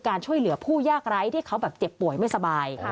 การช่วยเหลือผู้ยากไร้ที่เขาแบบเจ็บป่วยไม่สบาย